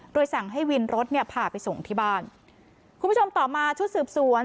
โดยสั่งให้วินรถเนี่ยพาไปส่งที่บ้านคุณผู้ชมต่อมาชุดสืบสวน